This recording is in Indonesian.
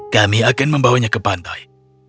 kami akan membawanya ke pantai